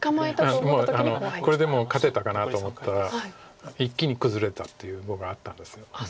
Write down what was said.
これでもう勝てたかなと思ったら一気に崩れたという碁があったんです。